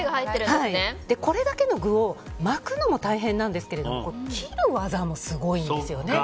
これだけの具を巻くのも大変なんですが切る技もすごいんですよね。